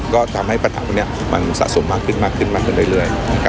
ก็ทำให้ปัญหานี้มันสะสมมาขึ้นมาขึ้นมาขึ้นเรื่อย